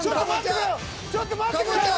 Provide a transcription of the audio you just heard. ちょっと待ってくれよ！